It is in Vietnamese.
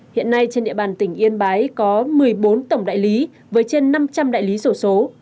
hiện nay trên địa bàn tỉnh yên bái có một mươi bốn tổng đại lý với trên năm trăm linh đại lý sổ số